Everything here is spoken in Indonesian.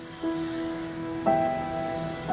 paling penting untuk mendapatkan nya